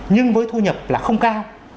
nhưng với thu nhập là không cao